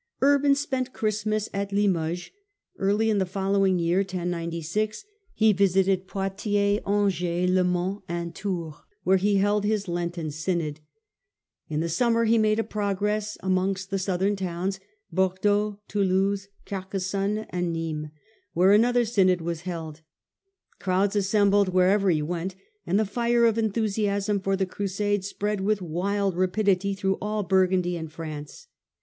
Urban spent Christmas at Limoges. Early in the following year (1096) he visited Poictiers, Angers, Le The pope's Mans, and Tours, whdre he held his Lenten th^So^ synod. Li the summer he made a progress Aqaitaine amougst the southem towns — ^Bordeaux, Tou louse, Carcassonne, and Nismes — where another synod was held. Crowds assembled wherever he went, and the fire of enthusiasm for the crusade spread with wild rapidity through all Burgundy and France.